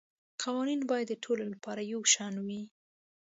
قوانین باید د ټولو لپاره یو شان وي